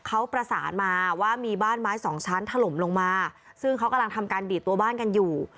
เขาประสานมาว่ามีบ้านไม้สองชั้นถล่มลงมาซึ่งเขากำลังทำการดีดตัวบ้านกันอยู่